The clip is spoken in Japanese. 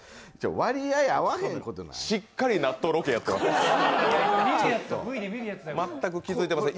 割合、合わないへんことにしっかり納豆ロケやってます。